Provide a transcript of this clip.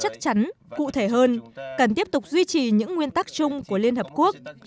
chắc chắn cụ thể hơn cần tiếp tục duy trì những nguyên tắc chung của liên hợp quốc